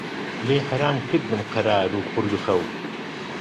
لێی حەرام کردم قەرار و خورد و خەو